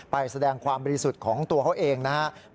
ไปแสดงความบริสุทธิ์ของตัวเขาเองนะครับ